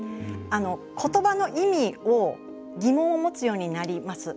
ことばの意味を疑問を持つようになります。